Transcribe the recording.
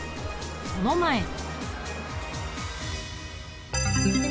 その前に。